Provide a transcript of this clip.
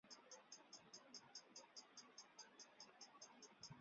第一任主席为布拉什曼。